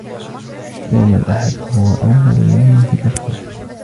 يوم الأحد هو أول يوم في الأسبوع.